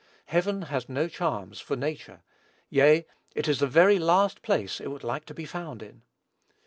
Heaven has no charms for nature; yea, it is the very last place it would like to be found in.